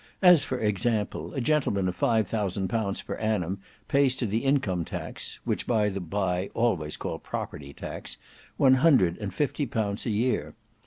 As for example a gentleman of five thousand pounds per annum pays to the income tax, which by the bye always call property tax, one hundred and fifty pounds a year.